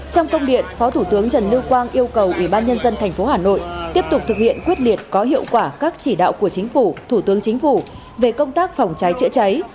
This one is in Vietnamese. trong công điện phó thủ tướng trần lưu quang yêu cầu ủy ban nhân dân tp hà nội tiếp tục thực hiện quyết liệt có hiệu quả các chỉ đạo của chính phủ thủ tướng chính phủ về công tác phòng cháy chữa cháy